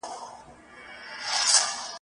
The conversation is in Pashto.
هغومره اوږدیږي !.